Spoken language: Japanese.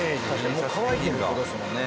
もう乾いてるって事ですもんね。